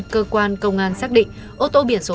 cơ quan công an xác định ô tô biển số